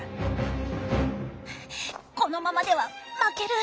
このままでは負ける！